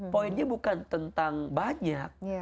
poinnya bukan tentang banyak